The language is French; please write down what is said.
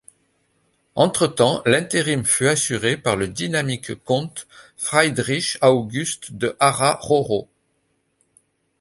Entre-temps, l'interim fut assuré par le dynamique comte Friedrich August de Harrach-Rohrau.